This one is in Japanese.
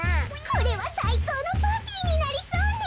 これはさいこうのパーティーになりそうね。